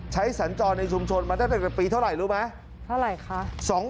ใช้สัญจรณ์ในชุมชนมาได้ตั้งแต่ปีเท่าไหร่รู้ไหม